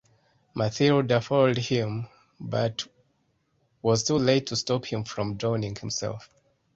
Mathilda followed him, but was too late to stop him from drowning himself.